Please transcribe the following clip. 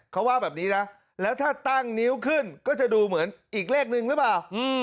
เขาว่าแบบนี้นะแล้วถ้าตั้งนิ้วขึ้นก็จะดูเหมือนอีกเลขนึงหรือเปล่า